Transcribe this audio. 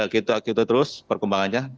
kita terus perkembangannya